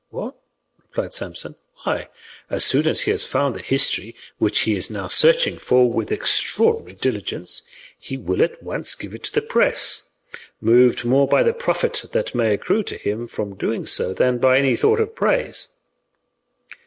"What?" replied Samson; "why, as soon as he has found the history which he is now searching for with extraordinary diligence, he will at once give it to the press, moved more by the profit that may accrue to him from doing so than by any thought of praise."